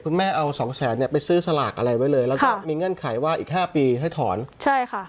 แม่เอาสองแสนเนี่ยไปซื้อสลากอะไรไว้เลยแล้วก็มีเงื่อนไขว่าอีกห้าปีให้ถอนใช่ค่ะ